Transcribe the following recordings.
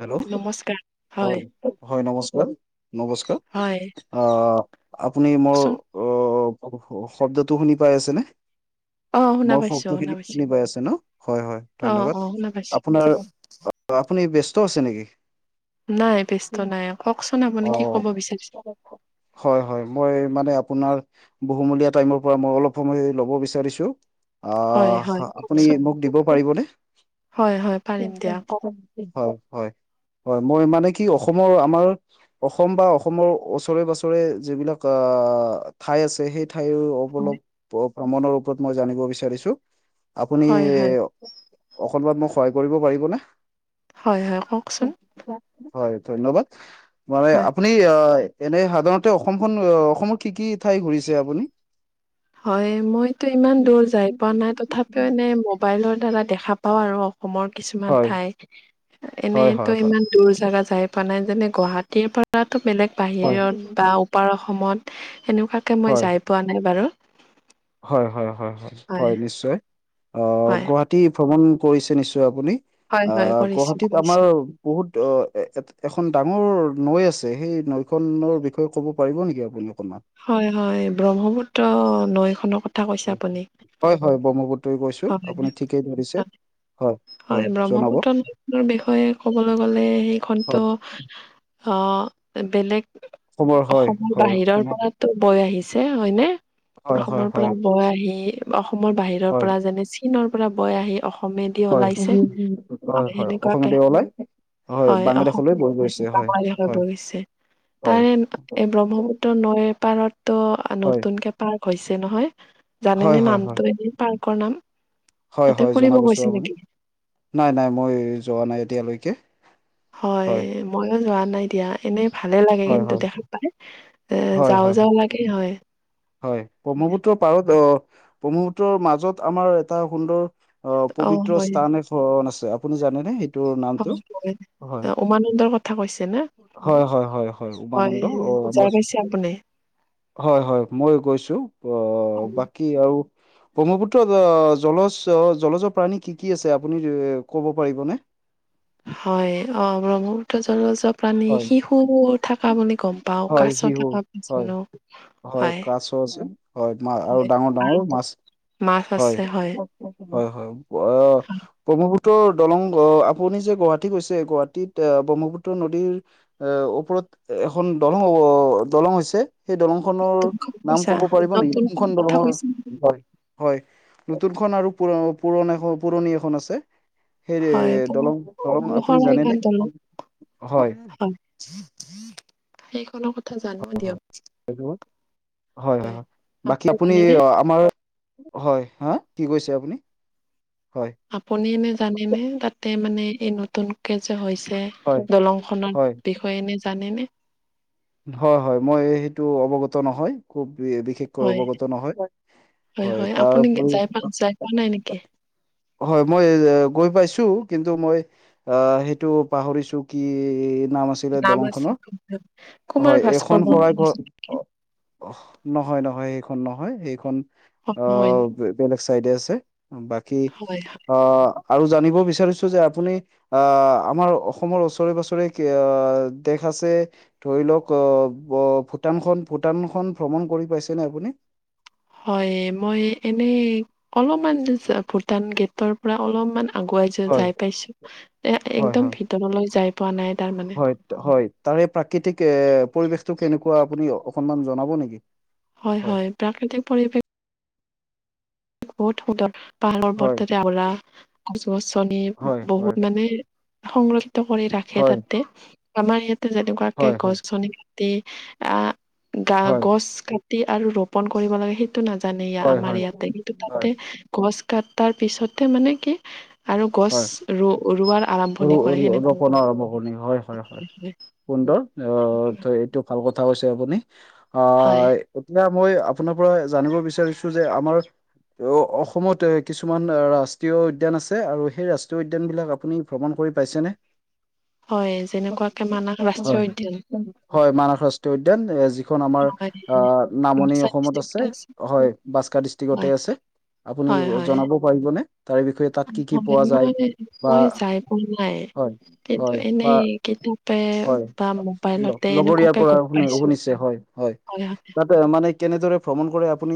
Hello হয়, হয় নমস্কাৰ নমস্কাৰ হয়, আ আপুনি মোৰ কওকচোন। অ' শব্দটো শুনি পাই আছেনে? অ শুনা মোৰ পাইছো, শুনা শব্দখিনি পাইছো। শুনি পাই আছে ন' হয় হয় অ ধন্যবাদ অ শুনা পাইছো। আপোনাৰ আপুনি ব্যস্ত আছে নেকি? নাই ব্যস্তু নাই, কওঁকচোন আপুনি অ কি ক'ব বিচাৰিছে। হয়, হয়, মই মানে আপোনাৰ বহুমূলীয়া টাইমৰ পৰা মই অলপ সময় ল'ব বিচাৰিছো। আ হয়, হয়, আপুনি কওকচোন। মোক দিব পাৰিবনে? হয়, হয়, পাৰিম দিয়া। কওক। হয়, হয়, হয়, মই মানে কি অসমৰ আমাৰ অসম বা অসমৰ ওচৰে পাচৰে যিবিলাক আ, ঠাই আছে সেই ঠাই অলপ প, মনৰ ওপৰত মই জানিব বিচাৰিছো। আপুনি হয়, হয়, অকনমান মোক সহায় কৰিব পাৰিবনে? হয়, হয় কওঁকচোন। হয় ধন্যবাদ মানে হয়। আপুনি আ এনে সাধাৰণতে অসমখন অসমৰ কি কি ঠাই ঘূৰিছে আপুনি? হয় মইতো ইমান দূৰ যায় পোৱা নাই, তথাপিও এনেই মোবাইলৰ দ্বাৰা দেখা পাওঁ আৰু। অসমৰ কিছুমান হয় ঠাই, হয় হয় এনেতো ইমান দূৰ জাগা যায় পোৱা নাই, যেনে গুৱাহাটীৰ পৰাতো বেলেগ হয় বাহিৰত বা পাৰ অসমত সেনেকুৱাকে মই হয় হয় যাই পোৱা নাই বাৰু। হয়, হয়, হয়, হয়, হয়, নিশ্চয় অ হয়। গুৱাহাটী ভ্ৰমণ কৰিছে নিশ্চয় আপুনি? হয়, আ হয়, কৰিছোঁ, গুৱাহাটীত আমাৰ কৰিছোঁ। বহুত অ', এ এখন ডাঙৰ নৈ আছে, সেই নৈখনৰ বিষয়ে ক'ব পাৰিব নেকি আপুনি অকণমান। হয়, হয় ব্ৰহ্মপুত্ৰ নৈ খনৰ ক হয়, হয় ব্ৰহ্মপুত্ৰই কৈছো হয়, আপুনি ঠিকেই ধৰিছে। হয়, হয় ব্ৰহ্মপুত্ৰ নদীখনৰ বিষয়ে ক'বলে গলে সেইখন ত হয় আ বেলেগ হয় অসমৰ হয় বাহিৰৰ অসমৰ তো বৈ আহিছে হয় নে। হয় হয় অসমৰ পৰা হয় বৈ আহি অসমৰ বাহিৰৰ হয় পৰা যেনে চীনৰ পৰা বৈ আহি অসম কমেদি হয় ওলাইছে হয় আৰু হয় সেনেকুৱাকে। অসমতে ওলাই হয়, অসম বাংলাদেশলৈ বৈ বেছি গৈছে হয় ডাঙৰ হৈ হয় পৰি গৈছে হয় তাৰে এ ব্ৰহ্মপুত্ৰ ত' নৈৰ পাৰত ত হয় নতুনকে পাৰ্ক হৈছে নহয় হয় জানেনে হয় হয় নামটো এনে? পাৰ্কৰ নাম হয় হয় তাতে ফুৰিব জনাবচোন গৈছে আপুনি নেকি? নাই নাই মই যোৱা নাই এতিয়ালৈকে। হয় মইও যোৱা নাই দিয়া। এনেই ভালে লাগে হয় কিন্তু হয় দেখা পায় এ হয় যাওঁ হয় যাওঁ লাগে হয়। হয় ব্ৰহ্মপুত্ৰৰ পাৰত অ ব্ৰহ্মপুত্ৰৰ মাজত আমাৰ এটা সুন্দৰ অ', পবিত্ৰ স্থান এখন আছে আপুনি জানেনে? সেইটোৰ নামটো? হয়, হয় হয় উমানন্দৰ কথা কৈছে নে'? হয়, হয়, হয়, হয় উমানন্দ অ', যাই আমাৰ পাইছে আপুনি হয়, হয়, মই গৈছো আ বাকী আৰু ব্ৰহ্মপুত্ৰত জলজ জলচৰ প্ৰাণী কি কি আছে, আপুনি ক'ব পাৰিবনে? হয় অ', ব্ৰহ্মপুত্ৰ জলজক প্ৰাণী হয় শিশু থকা বুলি গম পাওঁ, হয় কাছ শিহু থকা বুলি জনো হয়। চব আছে? হয় মা আৰু হয় ডাঙৰ আৰু ডাঙৰ মাছ মাছ আছে হয়। হয় হয়। অ' [unintelligible] ত' দলংগ আপুনি যে গুৱাহাটী গৈছে গুৱাহাটীত ব্ৰহ্মপুত্ৰ ন টিৰ এ, ওপৰত এখন দলং হ'ব, দলং হৈছে? সেই দলংখনৰ তুমি গম নাম পাইছা ক'ব পাৰিব নেকি নতুনখন কোনখন কথা দলঙৰ কৈছা হয়? হয়, নতুনখন আৰু পুৰ-পুৰণা-পুৰণি এখন আছে। সেইযে হয় দলং দলং আপুনি শৰাই ঘাট জানেনে? দলং হয়। সেইখনৰ ক [unintelligible] হয় হয় হয়। বাকী আপুনি আমাৰ হয় হা, কি কৈছে আপুনি? হয় আপুনি এনে জানেনেে তাতে মানে এই নতুনকে যে হৈছে হয় দলংখনৰ হয় বিষয়ে এনে জানেনে? হয় হয় মই সেইটো অৱগত নহয়, খুব বিশেষ ক হয় অৱগত নহয়। হয় আপুনি তাৰোপৰি যাই পা যাই পোৱা নাই নেকি হয় মই গৈ পাইছোঁ কিন্তু মই অ' সেইটো পাহৰিছোঁ কি নাম আছ নাম আছে। কুমাৰ হয় ভাস্কৰ এইখন সৰাই বৰ্মন ঘৰ, নহয় নহয় সেইখন নহয়। সেইখন [unintelligible] গৈ বেলেগ চাইডে আছে বাকী, হয়। অ' আৰু জানিব বিচাৰিছোঁ যে আপুনি আ, আমাৰ অসমৰ ওচৰে পাজৰে কি আ, দেশ আছে ধৰি লওঁক ক, ব, ভূটানখন ভূটানখন ভ্ৰমণ কৰি পাইছেনে আপুনি? হয়, মই এনেই অলপমান ভূটান গেটৰ পৰা অলপমান আগুৱাই হয় যাই পাইছোঁ। তে হয় হয় একদম ভিতৰলৈ যাই পোৱা নাই তাৰমানে। হয় হয় তাৰে এই প্ৰাকৃতিক এ, পৰিবেশটো কেনেকুৱা আপুনি অকনমান জনাব নেকি? হয় হয়, প্ৰাকৃতিক পৰিৱেশ বহুত সুন্দৰ, পাহাৰ হয় পৰ্বতেৰে আৱৰা। গছ গছনি হয় বহুত হয় মানে সংৰক্ষিত কৰি ৰাখে হয় তাতে, আমাৰ ইয়াত যেনেকুৱাকে হয় হয় গছ গনি টি আ, গা হয় গছ কা টি আৰু ৰোপন কৰিব লাগে সেইটো নাজানে ইয়া হয় আমাৰ ইয়াতে কি হয় গছ কাটাৰ পিছতে মানে কি আৰু গছ হয় ৰ-ৰোৱাৰ ৰু আৰম্ভণি ৰু কৰে ৰোপণ আৰম্ভ কৰি হয় হয় হয় সেনেকুৱা। সুন্দৰ আ, এইটো ভাল কথা কৈছে আপুনি। আ হয় এতিয়া মই আপোনাৰ পৰা জানিব বিচাৰিছো যে আমাৰ অ-অসমত এ, কিছুমান ৰাষ্ট্ৰীয় উদ্যান আছে আৰু সেই ৰাষ্ট্ৰীয় উদ্যানবিলাক আপুনি ভ্ৰমণ কৰি পাইছেনে? হয় যেনেকুৱাকে মানাহ ৰাষ্ট্ৰীয় হয় উদ্যান হয় মানস ৰাষ্ট্ৰীয় উদ্যান এ, যি খন আমাৰ আ, নামনি অসমত আছে, হয় বাস্কা ডিষ্ট্ৰিকতে আছে। হয় আপুনি হয় হয় জনাব পাৰিবনে তাৰে বিষয়ে তাত কি কি হয়, পোৱা যায় মই বা মই যাই পোৱা নাই। হয়, কিন্তু হয় বা [unintelligible] হয় মোবাইলতে লগৰীয়াৰ এনেকুৱাকে পৰা গম পাইছো। শুনি-শুনিছে হয় হয়, তাত মানে কেনেদৰে ভ্ৰমণ কৰে আপুনি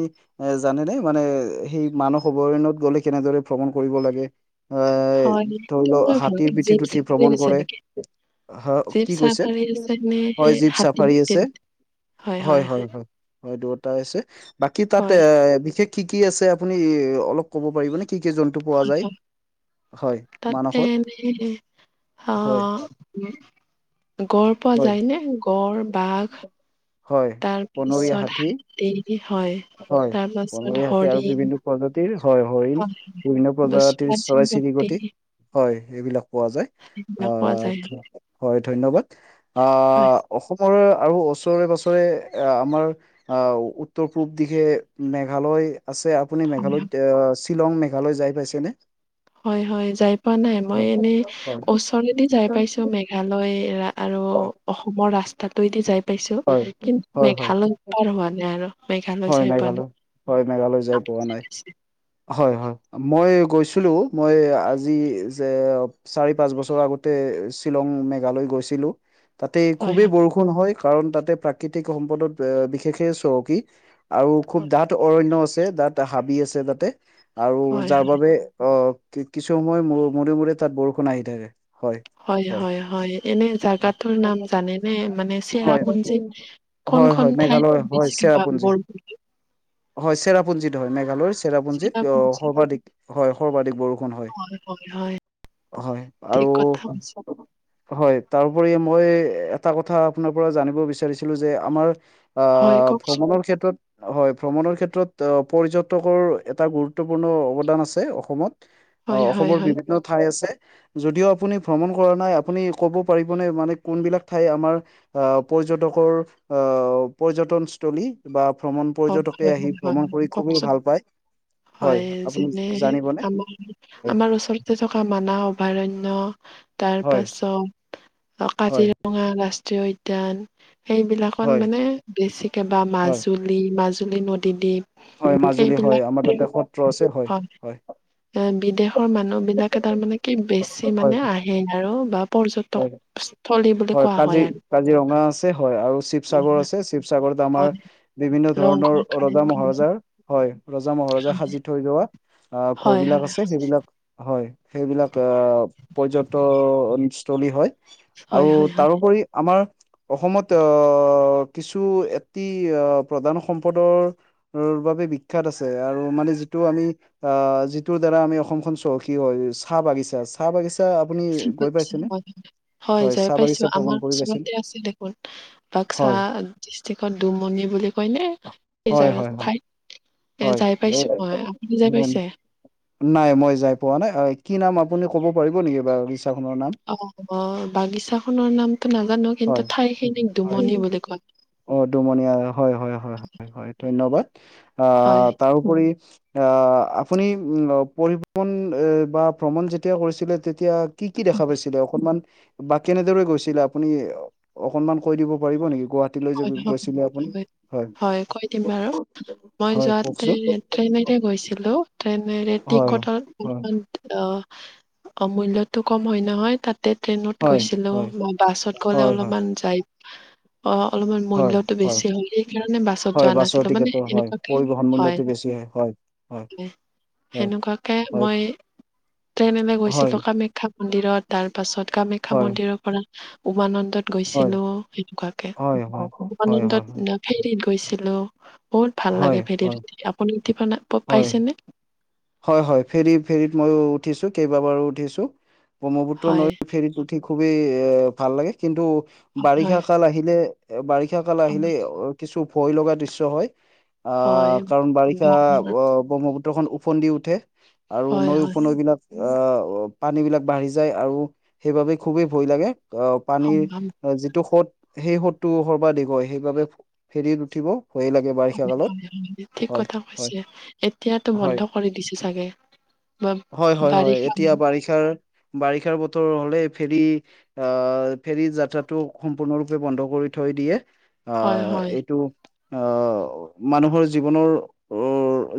এ জানেনে মানে সেই মানস অভয়ণত গ'লে, কেনেদৰে ভ্ৰমণ কৰিব লাগে? এ হয়, ধৰি সেইটো লওঁক, মই হাতীৰ ভালকে পিঠিত জীপ উঠি চাফাৰী ভ্ৰমণ আছে কৰে, নেকি? হা জীপ কি কৈছে, চাফাৰী আছে নে হয় জীপ হাতী চাফাৰী আছে, হয় হয় হয়। হ'য় দুয়টাই আছে, বাকী তাত এ হয়। বিশেষ কি কি আছে, আপুনি অলপ ক'ব পাৰিব নে, কি কি জন্তু পোৱা যায়। হয় তাতে মানসত এনে হেৰি হয় আহ উম, গড় পোৱা হয় যায় নে গড়, বাঘ। [inaudible] হয় বনৰীয়া তাৰপিছত হাতী, হয়। হয়, তাৰপাছত বনৰীয়া হাতী, আৰু হৰিণ বিভিন্ন প্ৰজাতিৰ হয় হৰিণ, হৰিন প্ৰজাতিৰ, চৰাই চিৰিকটি। হয়, এইবিলাক পোৱা যায়, আ এইবিলাক পোৱা যায় হয়, ধন্যবাদ, আ হয়, অসমৰ আৰু বছৰে বছৰে আমাৰ আ উত্তৰ পূব দিশে মেঘালয় আছে, আপুনি হয়। মেঘালয়ত এ শ্বিলং, মেঘালয় যাই পাইছেনে? হয়, হয় যাই পোৱা নাই মই হয় এনে, হয় ওচৰেদি যাই পাইছোঁ, মেঘালয়, ৰা আৰু, হয় অসমৰ ৰাস্তাটোৱেদি যাই পাইছোঁ, হয় কিন্তু হয় হয় মেঘালয়ত পাৰ হোৱা নাই আৰু। মেঘালয় হয় যাই পোৱা নাই। মেঘালয়, হয় মেঘালয় যাই আপুনি পোৱা নাই। পাইছে? হয়, হয়, মই গৈছিলোঁ, মই আজি যে চাৰি, পাঁচ বছৰ আগতে শ্বিলং মেঘালয় গৈছিলোঁ। তাতে হয়, খুবেই হয়, বৰষুণ হয়, কাৰণ তাতে প্ৰাকৃতিক সম্পদত বিশেষে চহকী। আৰু খুব ডাঠ অৰণ্য আছে, ডাঠ হাবি আছে তাতে, আৰু হয়, যাৰ বাবে অ', কিছো সময়ৰ মূৰে মূৰে তাত বৰষুণ আহি থাকে, হয়। হয় [inaudible] এনে জাগাটোৰ নাম জানেনে? মানে হয়। চেৰাপুঞ্জীত হয়, কোনখন হয়, ঠাইত মেঘালয় হয় বেছিকে চেৰাপু বা- ঞ্জি, বৰষুণ হয়, চেৰাপুঞ্জিত হয়, মেঘালয়ৰ চেৰাপুঞ্জিত আ চেৰাপুঞ্জী সৰ্বাধিক হয়, সৰ্বাধিক বৰষুণ হয়, হয়, হয়, হয়, ঠিক আৰু কথা কৈছে। হয়, তাৰ উপৰি মই এটা কথা আপোনাৰ পৰা জানিব বিচাৰিছিলো যে, আমাৰ আ হয়, কওকচোন। ভ্ৰমণৰ ক্ষেত্ৰত হয়, ভ্ৰমণৰ ক্ষেত্ৰত পৰ্যটকৰ এটা গুৰুত্বপূৰ্ণ অৱদান আছে অসমত অ', হয়, হয়, অসমৰ হয়, বিভিন্ন ঠাই আছে। যদিও আপুনি ভ্ৰমণ কৰা নাই, আপুনি ক'ব পাৰিবনে মানে, কোনবিলাক ঠাই আমাৰ আ পৰ্যটকৰ আ পৰ্যটকস্থলী বা ভ্ৰমণ হয়, পৰ্যটকে হয়, আহি, হয়, হয়, ভ্ৰমণ কৰি খুবেই কওকচোন। ভাল পায়। হয়, আপুনি জানিবনে? আমাৰ হয় আমাৰ ওচৰতে থকা মানাহ অভয়াৰণ্য, তাৰ হয় পাছত অ' হয় কাজিৰঙা ৰাষ্ট্ৰীয় উদ্যান সেইবিলাকত হয় মানে বেছিকে বা হয় মাজুলী, মাজুলী নদীদ্বীপ। হয়, মাজুলী হয়, সেইবিলাক আমাৰ তাতে ঠাইত সত্ৰ আছে, হয়, হয়। এ বিদেশৰ মানুহবিলাকে তাৰমানে কি, বেছি হয় মানে আহে আৰু বা হয়। পৰ্যটকস্থলী বুলি হয় কোৱা কাজি হয় আৰু কাজিৰঙা আছে, হয়, আৰু শিৱসাগৰ আছে, শিৱ শিৱসাগৰত আমাৰ, হয় বিভিন্ন ধৰণৰ ৰংঘৰ কাৰেংঘৰ ৰজা-মহাৰজা, হয়, ৰজা-মহাৰজা সাজি থৈ যোৱা আ হয় ঘৰবিলাক হয় আছে, সেইবিলাক হয়, সেইবিলাক আ পৰ্যটকস্থলী হয়। হয় আৰু হয় হয় তাৰ উপৰি আমাৰ অসমত অ' কিছু এটি অ' প্ৰধান সম্পদৰ ৰ বাবে বিখ্যাত আছে আৰু মানে যিটো আমি আ যিটোৰদ্বাৰা আমি অসমখন চহকী হয়। চাহ বাগিছা, চাহ বাগিচা আপুনি গৈ পাইছেনে? হয় যাই চাহ বাগিচা পাইছোঁ। ভ্ৰমণ আমাৰ কৰি পাইছিল ওচৰতে আছে দেখোন। বাক্সা হয় ডিষ্ট্ৰিকত দুমনি বুলি কয়নে? সেই হয় জাগাৰ হয় হয় ঠাইত এ হয় যাই পাইছো মই। আপুনি যাই পাইছে? নাই মই যাই পোৱা নাই। এ কি নাম, আপুনি ক'ব পাৰিব নেকি বাৰু বাগিচাখনৰ নাম? অ', অ' বাগিচাখনৰ নামটো নাজানো। হয় কিন্তু ঠাইখিনিক হয় দুমনি বুলি কয়। অ' দুমনীয়া হয়, হয়, হয়, হয়, হয় ধন্যবাদ। আ হয় তাৰোপৰি আ আপুনি উম পৰিভ্ৰমণ এ বা ভ্ৰমণ যেতিয়া কৰিছিলে, তেতিয়া কি কি দেখা পাইছিলে? অকনমান বা কেনেদৰে গৈছিলে আপুনি অকনমান কৈ দিব পাৰিব নেকি গুৱাহা হয় [unintelligible] হয় গৈছিলে, আপুনি হয়। কৈ দিম বাৰু মই হয় যোৱাতে কওকচোন ট্ৰেইনেৰে গৈছিলো, ট্ৰেইনেৰে হয় টিকটৰ হয় [unintelligible] অ', অ' মূল্যটো কম হয়, নহয় তাত। তাতে ট্ৰেইনত হয় গৈছিলো, হয় ম, বাছত গ'লে হয় হয় অলপমান যাই অ'। অলপমান মুল্যটো বেছি হয়, সেইকাৰণে বাছত হয় যোৱা বাছৰ নাছিলো মানে টিকেটৰ হয় এনেকুৱাকে পৰিবহন হয়। মূল্যটো বেছি হয় হয় হয় সেনেকুৱাকে, হয় মই ট্ৰেইনেৰে গৈছিলো হয় কামাখ্যা মন্দিৰত, তাৰ পাছত কামাখ্যা হয় মন্দিৰৰ পৰা উমানন্দত হয় গৈছিলো, সেনেকুৱাকে হয়, হয়। হয় হয় হয় উমানন্দত, ফেৰিত গৈছিলো। বহুত ভাল হয় লাগে হয় ফেৰিত উঠি, আপুনি উঠি হয় পাইছেনে? হয়, হয় ফেৰী ফেৰীত মই উঠিছো, কেইবাবাৰো উঠিছো, ব্ৰহ্মপুত্ৰ হয় নৈ ফেৰীত উঠি খুবেই এ ভাল লাগে। কিন্তু হয় বাৰিষাকাল আহিলে এ বাৰিষা কাল হয় আহিলেই কিছু ভয় লগা দৃশ্য হয়। হয় আহ, কাৰণ বাৰিষা বাঁহৰ ব্ৰহ্মপুত্ৰখন ওফন্দি উঠে। আৰু হয় নৈ, হয় উপনৈবিলাক আহ পানী বিলাক বাঢ়ি যায় আৰু সেইবাবে খুবেই ভয় লাগে। অ' সংগম পানীৰ যিটো সোঁত সেই সোঁতটো সৰ্বাধিক হয়, সেইবাবে ফেৰিত উঠিব ভয়েই লাগে, বা হয়, হয়, হয়, ঠিক কথা কৈছে, এতিয়াতো হয় বন্ধ কৰি দিছে চাগে। বা হয়, হয়, হয়, বাৰিষা এতিয়া বাৰিষাৰ, বাৰিষাৰ বতৰ হ'লে ফেৰী আহ, ফেৰীৰ যাত্ৰাটো সম্পূৰ্ণৰূপে বন্ধ কৰি থৈ দিয়ে। হয় আহ, হয় এইটো আহ, মানুহৰ জীৱনৰ,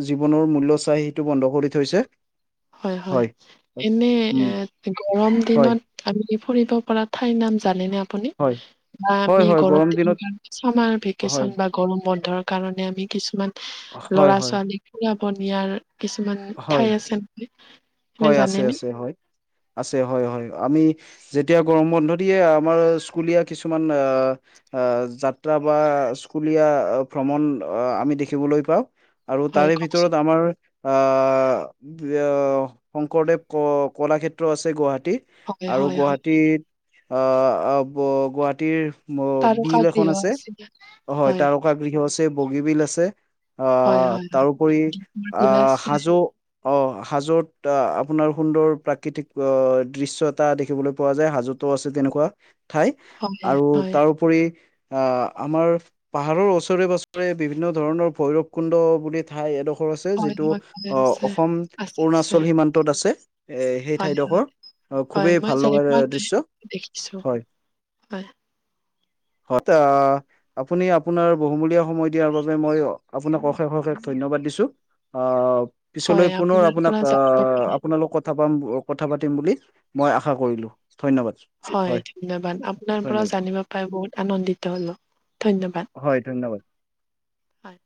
জীৱনৰ মূল্য চাই টো, বন্ধ কৰি থৈছে। হয়, হয়, এনে উম গৰম হয় দিনত আমি ফুৰিব পৰা ঠাইৰ নাম জানেনে আপুনি হয় আপুনি বা হয় আমি হয় গৰম দিনৰ দিনত কাৰণে চামাৰ হয় ভেকেচন বা গৰম বন্ধৰ কাৰণে আমি কিছুমান হয় ল'ৰা, হয় ছোৱালী ফুৰাব নিয়াৰ কিছুমান ঠাই হয় আছেনে? হয়, আছে আছে হয়, আছে হয়, হয়, আমি যেতিয়া গৰম বন্ধ দিয়ে, আমাৰ স্কুলীয়া কিছুমান আহ আহ, যাত্ৰা বা স্কুলীয়া ভ্ৰমণ আহ, আমি দেখিবলৈ পাওঁ। আৰু হয় তাৰে কওকচোন ভিতৰত আমাৰ শংকৰদেৱ ক, কলাক্ষেত্ৰ আছে, গুৱাহাটী। হয় আৰু হয় হয় গুৱাহাটীত আহ, গুৱাহাটীৰ ম, তাৰকা বিল এখন গৃহ আছে, আছিলে হয়, তাৰকা গৃহ আছে, বগী বিল আছে। অ, হয় হয় তাৰো উপৰি আমাৰ বিল আ'। আছে অ, হাজোত আপোনাৰ সুন্দৰ প্ৰাকৃতিক দৃশ্য এটা দেখিবলৈ পোৱা যায়, হাজোত আছে তেনেকুৱা ঠাই, হয় আৰু হয় তাৰউপৰি আহ, আমাৰ পাহাৰৰ ওচৰে, পাজৰে বিভিন্ন ধৰণৰ ভৈৰৱ কুণ্ড বুলি ঠাই এডোখৰ আছে হয় যিটো হয় হয় আহ, আছে অসম আছে আছে অৰুণাচল সীমান্তত আছে, এ, সেই হয় ঠাইডোখৰ অ, হয় খুবেই মই ভাল যাই লগাৰ পোৱা নাই দৃশ্য দেখিছো হয়। হয়। হয়, টা [inaudible] আপুনি আপোনাৰ বহুমূলীয়া সময় দিয়াৰ বাবে মই অশেষ অশেষ ধন্যবাদ দিছোঁ অ, পিছলৈ হয় পুনৰ আপোনাৰ আপোনাক পৰা জানিব আহ, পাৰি আপোনাৰ লগত ক পাম কথা পাতিম বুলি মই আশা কৰিলো ধন্যবাদ। হয় ধন্যবাদ, আপোনাৰ পৰা ধন্যবাদ জানিব পাই বহুত আনন্দিত হলো ধন্যবাদ। হয় ধন্যবাদ। হয়।